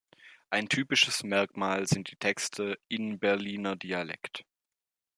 Ein typisches Merkmal sind die Texte in Berliner Dialekt.